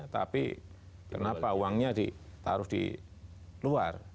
tapi kenapa uangnya ditaruh di luar